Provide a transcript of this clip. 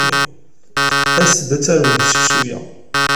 Aset-d ad tarmem seksu-a.